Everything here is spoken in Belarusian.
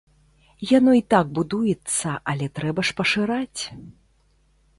Яно і так будуецца, але трэба ж пашыраць.